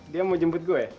dia mau jemput gue